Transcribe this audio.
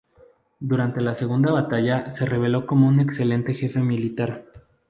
Durante la segunda batalla se reveló como un excelente jefe militar.